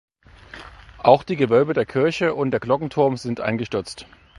Auch die Gewölbe der Kirche und der Glockenturm sind eingestürzt.